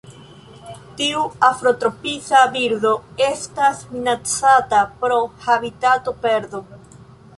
Tiu afrotropisa birdo estas minacata pro habitatoperdo.